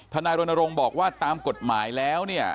ทนายรณรงค์บอกว่าตามกฎหมายแล้ว